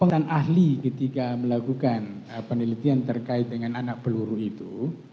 laporan ahli ketika melakukan penelitian terkait dengan anak peluru itu